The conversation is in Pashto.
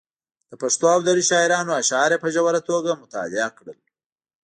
د پښتو او دري شاعرانو اشعار یې په ژوره توګه مطالعه کړل.